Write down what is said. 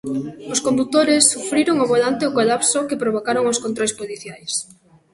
Os condutores sufriron ao volante o colapso que provocaron os controis policiais.